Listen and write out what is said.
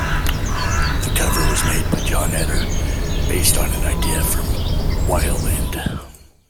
The cover was made by John Eder, based on an idea from Weiland.